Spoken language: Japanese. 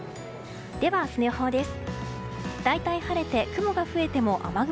では、明日の予報です。